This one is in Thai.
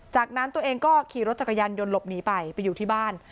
จากนั้นตัวเองก็ขี่รถจักรยานยนต์หลบหนีไปไปอยู่ที่บ้าน